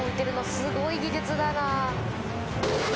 すごい技術だな。